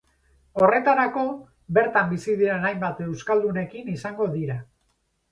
Horretarako, bertan bizi diren hainbat euskaldunekin izango dira.